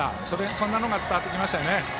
そんなのが伝わってきました。